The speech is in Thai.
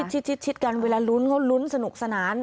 แล้วนั่งชิดกันเวลารุ้นเขาลุ้นสนุกสนาน